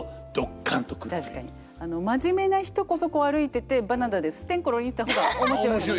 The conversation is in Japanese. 真面目な人こそこう歩いててバナナでスッテンコロリンした方が面白いですよね。